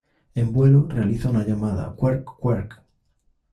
En vuelo realiza una llamada ""kuerk-kuerk"".